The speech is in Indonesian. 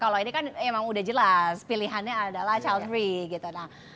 kalau ini kan emang udah jelas pilihannya adalah child tiga gitu